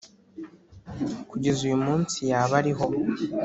kugeza uyumusi yaba ariho